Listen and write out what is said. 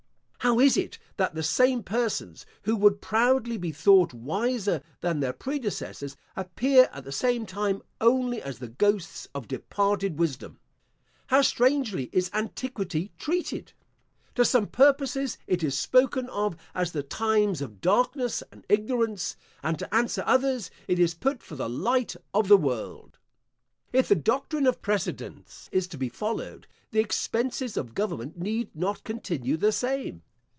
How is it that the same persons who would proudly be thought wiser than their predecessors, appear at the same time only as the ghosts of departed wisdom? How strangely is antiquity treated! To some purposes it is spoken of as the times of darkness and ignorance, and to answer others, it is put for the light of the world. If the doctrine of precedents is to be followed, the expenses of government need not continue the same.